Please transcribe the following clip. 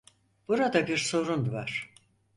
Burada bir sorun var.